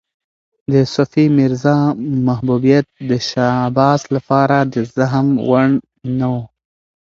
د صفي میرزا محبوبیت د شاه عباس لپاره د زغم وړ نه و.